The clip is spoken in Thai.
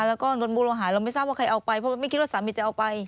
แล้วก็โดนบูรหายเราไม่ทราบว่าใครเอาไปเพราะไม่คิดว่าสามีจะเอาไป